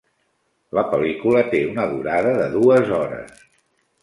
La pel·lícula té una durada de dues hores.